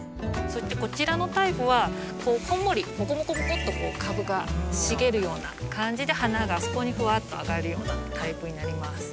そしてこちらのタイプはこんもりもこもこもこっと株が茂るような感じで花がそこにふわっと上がるようなタイプになります。